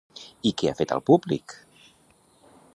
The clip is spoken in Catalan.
I què ha fet al públic?